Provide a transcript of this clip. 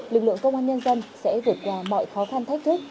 lực lượng công an nhân dân sẽ vượt qua mọi khó khăn thách thức